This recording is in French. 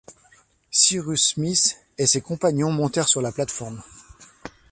Cyrus Smith et ses compagnons montèrent sur la plate-forme.